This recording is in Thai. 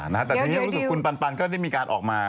แต่เดี๋ยวนี่กลับคุณปันก็เลยได้มีการตามออกมา